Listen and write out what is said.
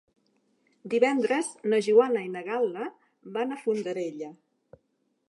Divendres na Joana i na Gal·la van a Fondarella.